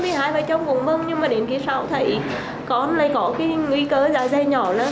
thì hai bà chồng cũng mừng nhưng mà đến khi sau thấy con lại có cái nguy cơ giá dây nhỏ